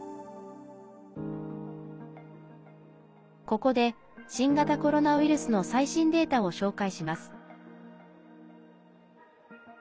ここで、新型コロナウイルスの最新データを紹介します。